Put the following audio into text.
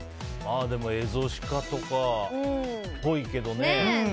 でも、エゾシカとかそれっぽいけどね。